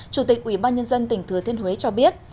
chủ tịch ubnd tỉnh thừa thiên huế cho biết